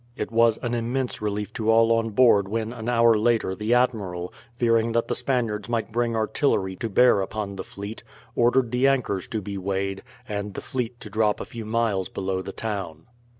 It was an immense relief to all on board when an hour later the admiral, fearing that the Spaniards might bring artillery to bear upon the fleet, ordered the anchors to be weighed, and the fleet to drop a few miles below the town.